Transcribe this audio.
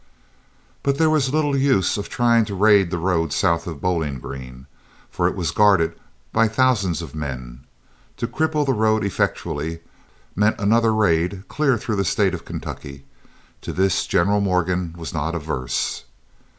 But there was little use of trying to raid the road south of Bowling Green, for it was guarded by thousands of men. To cripple the road effectually meant another raid clear through the state of Kentucky. To this General Morgan was not averse.